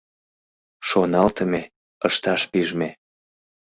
Шоналтыме — ышташ пижме.